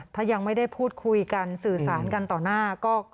ถ้ายังไม่ได้พูดคุยกันสื่อสารกันต่อหน้าก็